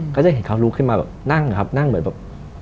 ก็จะเห็นเขาลุกขึ้นมาแบบนั่งครับนั่งเหมือนแบบ